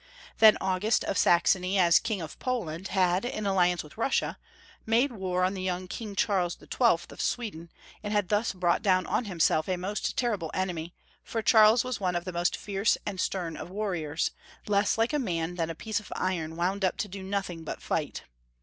Then August of Saxony, as King of Poland, had, in alliance with Russia, made war on the young King Charles XII. of Sweden, and had thus brought down on himself a most terrible enemy, for Charles was one of the most fierce and stem of warriors, less like a man than a piece of iron wound up to do notliing but fight.